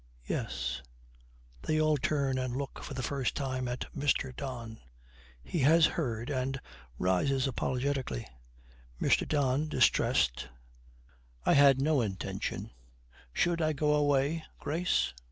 Yes.' They all turn and look for the first time at Mr. Don. He has heard, and rises apologetically. MR. DON, distressed, 'I had no intention Should I go away, Grace?'